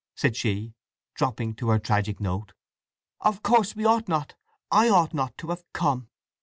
said she, dropping to her tragic note. "Of course we ought not—I ought not—to have come!"